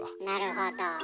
なるほど。